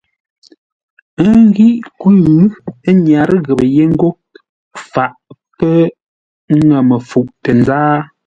Ə́ ghíʼ kwʉ́, ə́ nyárə́ ghəpə́ yé ńgó faʼ pə́ ŋə́ məfuʼ tə nzáa.